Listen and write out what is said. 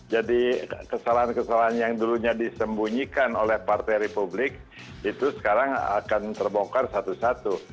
jadi kesalahan kesalahan yang dulunya disembunyikan oleh partai republik itu sekarang akan terbongkar satu satu